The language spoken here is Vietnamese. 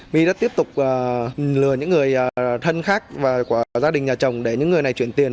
my đã tiếp tục lừa những người thân khác và của gia đình nhà chồng để những người này chuyển tiền